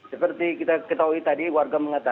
seperti kita ketahui tadi warga mengatakan